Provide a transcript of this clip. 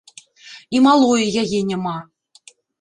І малое яе няма!